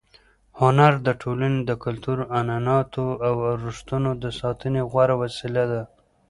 هنر د ټولنې د کلتور، عنعناتو او ارزښتونو د ساتنې غوره وسیله ده.